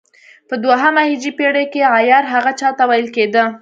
په دوهمه هجري پېړۍ کې عیار هغه چا ته ویل کېده.